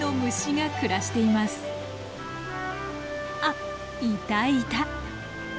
あっいたいた。